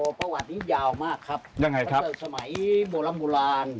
มะสมัยประวัตินี้ยาวมากครับสมัยบ่วนบ้าน